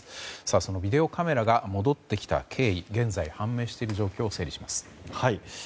そのビデオカメラが戻ってきた経緯現在判明している状況を整理します。